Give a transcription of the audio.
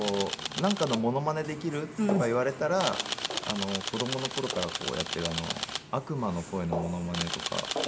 なんかのモノマネできる？とか言われたら子供の頃からやっている悪魔の声のモノマネとかをやってみようかなと。